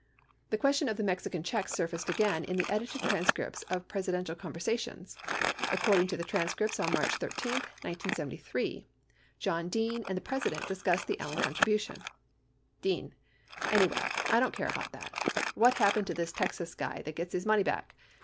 71 The question of the Mexican checks surfaced again in the edited transcripts of Presidential conversations. According to the transcripts on March 13, 1973, John Dean and the President discussed the Allen contribution : Dean. Anyway, I don't care about that. What happened to this Texas guy that gets his money back?